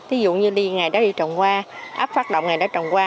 ví dụ như đi ngày đó đi trồng hoa ấp phát động ngày đó trồng hoa